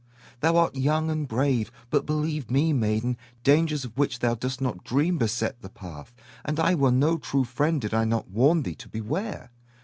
Thou art young and brave, but believe me, maiden, dangers of which thou dost not dream beset the path, and I were no true friend did I not warn thee to beware.